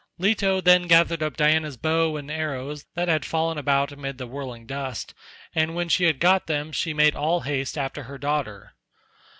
Leto then gathered up Diana's bow and arrows that had fallen about amid the whirling dust, and when she had got them she made all haste after her daughter.